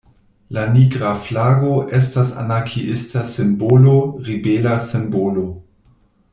La Nigra Flago estas anarkiista simbolo, ribela simbolo.